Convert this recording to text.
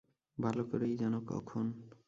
ভালো করেই জানো কখন।